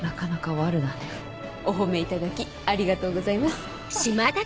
お褒めいただきありがとうございます。